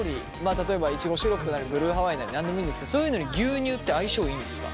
例えばイチゴシロップなりブルーハワイなり何でもいいんですけどそういうのに牛乳って相性いいんですか？